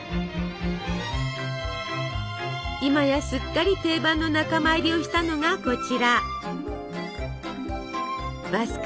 今やすっかり定番の仲間入りをしたのがこちら。